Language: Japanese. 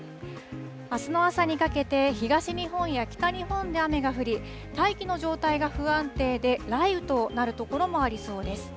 あすの朝にかけて、東日本や北日本で雨が降り、大気の状態が不安定で、雷雨となる所もありそうです。